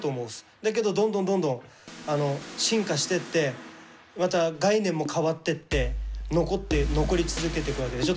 だけどどんどんどんどん進化してってまた概念も変わってって残り続けていくわけでしょ。